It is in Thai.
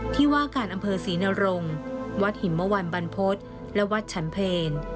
ที่ว่าการอำเภอศรีนรงวัดหิมวันบรรพฤษและวัดฉันเพล